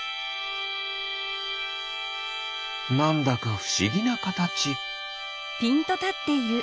なんだかふしぎなかたち。